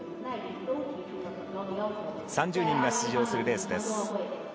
３０人が出場するレースです。